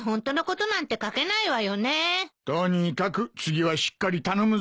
とにかく次はしっかり頼むぞ。